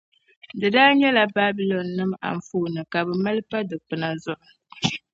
Di daa nyɛla Babilɔnnima anfooni ka bɛ mali pa dukpina zuɣu.